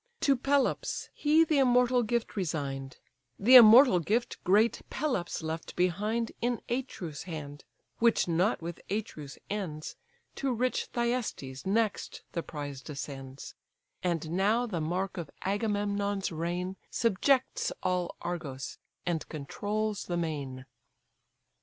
To Pelops he the immortal gift resign'd; The immortal gift great Pelops left behind, In Atreus' hand, which not with Atreus ends, To rich Thyestes next the prize descends; And now the mark of Agamemnon's reign, Subjects all Argos, and controls the main.